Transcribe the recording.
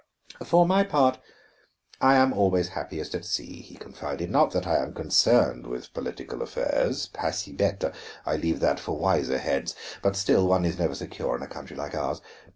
"For my part I am always happiest at sea," he confided. "Not that I am concerned with political affairs pas si bête; I leave that for wiser heads. But still one is never secure in a country like ours.